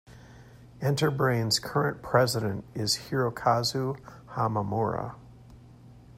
Enterbrain's current president is Hirokazu Hamamura.